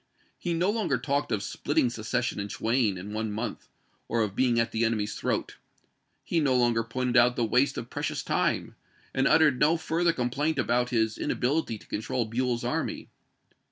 He no longer talked of splitting secession in twain in one month, or of being at the enemy's throat. He no longer pointed out the waste of precious time, and uttered no further complaint about his ina bility to control Buell's army.